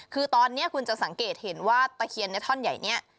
คือตอนนี้คุณจะสังเกตเห็นว่าตะเคียนในท่อนใหญ่นี้